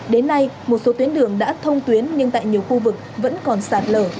đến nay một số tuyến đường đã thông tuyến nhưng tại nhiều khu vực vẫn còn sạt lở